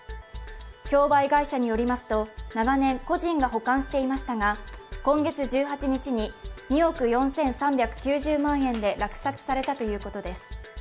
競売会社によりますと、長年、個人が保管していましたが、今月１８日に２億４３９０万円で落札されたということです。